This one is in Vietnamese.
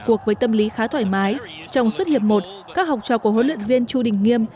cuộc với tâm lý khá thoải mái trong xuất hiệp một các học trò của huấn luyện viên chu đình nghiêm